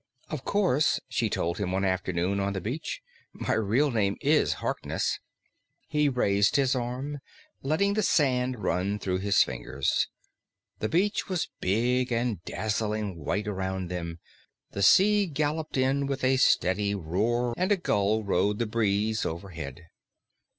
"Of course," she told him one afternoon on the beach, "my real name is Harkness." He raised his arm, letting the sand run through his fingers. The beach was big and dazzling white around them, the sea galloped in with a steady roar, and a gull rode the breeze overhead.